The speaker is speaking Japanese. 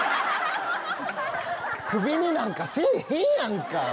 首になんかせえへんやんか。